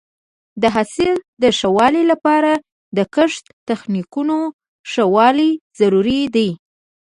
د حاصل د ښه والي لپاره د کښت د تخنیکونو ښه والی ضروري دی.